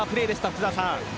福澤さん。